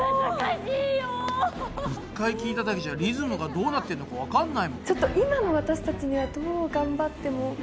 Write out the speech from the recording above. １回聞いただけじゃリズムがどうなってんのかわかんないもん。